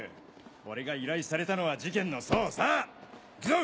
俺が依頼されたのは事件の捜査行くぞ！